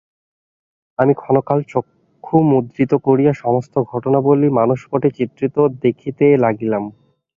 আমি ক্ষণকাল চক্ষু মুদ্রিত করিয়া সমস্ত ঘটনাবলী মানসপটে চিত্রিত দেখিতেলাগিলাম।